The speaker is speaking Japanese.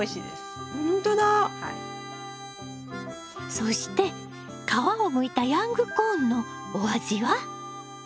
そして皮をむいたヤングコーンのお味は？